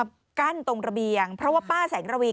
กั้นตรงระเบียงเพราะว่าป้าแสงระวี